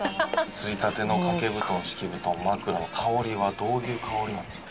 刷りたてのかけ布団敷布団枕の香りはどういう香りなんですか？